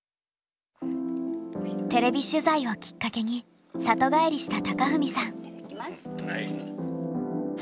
テレビ取材をきっかけに里帰りした貴文さん。